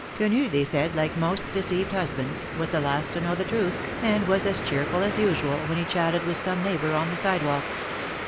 Quenu, they said, like most deceived husbands, was the last to know the truth, and was as cheerful as usual, when he chatted with some neighbor on the sidewalk.